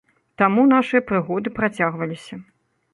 Таму нашыя прыгоды працягваліся.